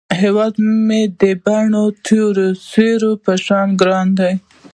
هیواد مې د بڼو د تور سیوري په شان ګران دی